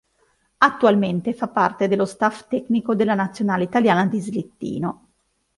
Attualmente fa parte dello staff tecnico della nazionale italiana di slittino.